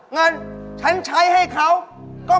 เออยายวันนี้หน้าก่อน